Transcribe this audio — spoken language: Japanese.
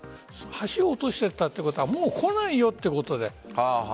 橋を落としちゃったということはもう来ないということ。